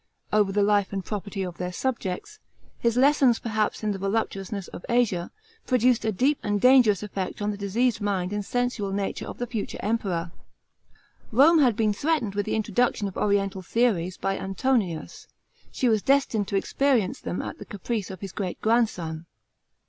219 over the life and property of their subjects, his lessons perhaps in the voluptuousness of Asia, produced a deep and dang< rous effect on the diseased mind and sensual nature of the future Emperor, ^ome had been threatened with the introduction of oriental theories by Antmiius ; she was destined to experience them at the caprice of his great grandson.